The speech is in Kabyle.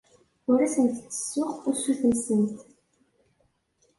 Ur asent-d-ttessuɣ usuten-nsent.